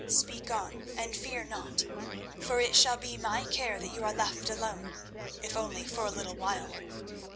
Speak on and fear not, for it shall be my care that you are left alone, if only for a little while.